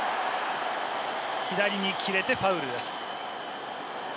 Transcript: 左に切れてファウルです。